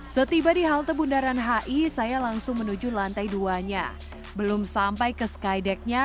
setiba di halte bundaran hi saya langsung menuju lantai duanya belum sampai ke skydecknya